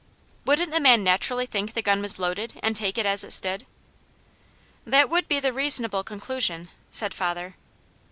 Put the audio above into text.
"Wouldn't the man naturally think the gun was loaded, and take it as it stood?" "That would be a reasonable conclusion," said father.